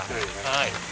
はい。